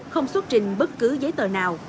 không xuất trình bất cứ giấy tờ nào